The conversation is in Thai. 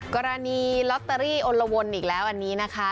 กรณีลอตเตอรี่อลละวนอีกแล้วอันนี้นะคะ